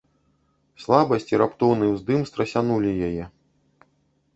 Слабасць і раптоўны ўздым страсянулі яе.